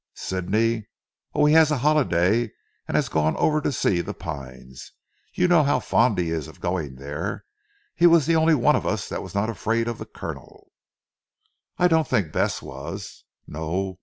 "Sidney! Oh, he has a holiday, and has gone over to see 'The Pines.' You know how fond he is of going there. He was the only one of us that was not afraid of the Colonel." "I don't think Bess was." "No.